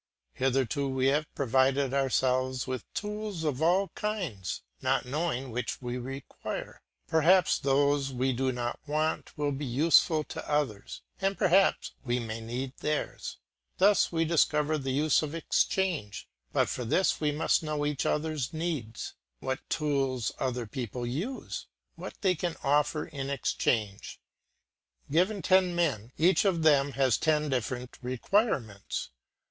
Hitherto we have provided ourselves with tools of all kinds, not knowing which we require. Perhaps those we do not want will be useful to others, and perhaps we may need theirs. Thus we discover the use of exchange; but for this we must know each other's needs, what tools other people use, what they can offer in exchange. Given ten men, each of them has ten different requirements.